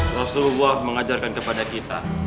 rasulullah mengajarkan kepada kita